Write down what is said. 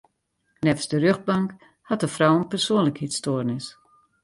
Neffens de rjochtbank hat de frou in persoanlikheidsstoarnis.